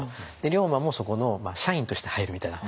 龍馬もそこの社員として入るみたいな。